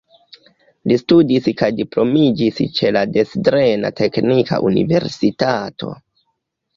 Li studis kaj diplomiĝis ĉe la Dresdena Teknika Universitato.